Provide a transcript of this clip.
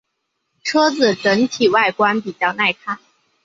车子整体外观比较耐看。